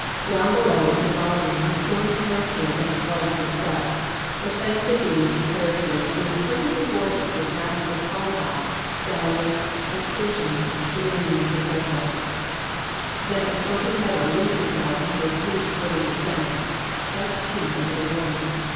Down below is a garden with stone terraces and flights of steps the planes of these terraces being perfectly gorgeous with masses of hollyhocks, dahlias, nasturtiums, geraniums, etc. Then a sloping meadow losing itself in a steep wooded descent (such tints over the wood!)